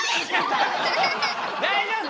大丈夫！